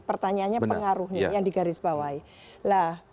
pertanyaannya pengaruh yang di garis bawah